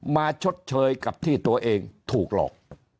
ชดเชยกับที่ตัวเองถูกหลอก